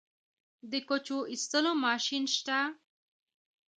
د کوچو ایستلو ماشین شته؟